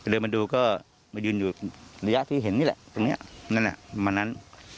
เดินมาดูก็มายืนอยู่ระยะที่เห็นนี่แหละตรงนี้นั่นแหละประมาณนั้น